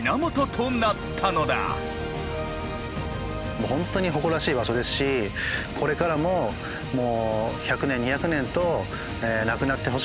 もうほんとに誇らしい場所ですしこれからももう１００年２００年となくなってほしくない